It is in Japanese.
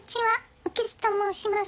雨穴と申します。